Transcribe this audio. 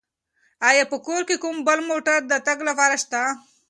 آیا په کور کې کوم بل موټر د تګ لپاره شته؟